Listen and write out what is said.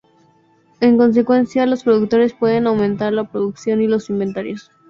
En consecuencia, los productores pueden aumentar la producción y los inventarios.